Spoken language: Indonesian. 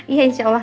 iya insya allah